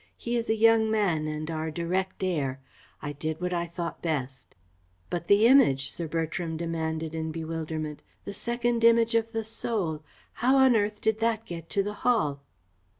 He is a young man and our direct heir. I did what I thought best." "But the Image?" Sir Bertram demanded in bewilderment "the second Image of the Soul? How on earth did that get to the Hall?"